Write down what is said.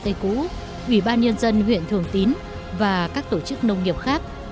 tây cũ ủy ban nhân dân huyện thường tín và các tổ chức nông nghiệp khác